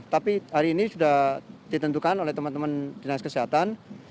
tapi hari ini sudah ditentukan oleh teman teman dinas kesehatan